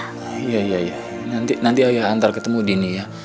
iya iya iya nanti ayah antar ketemu dini ya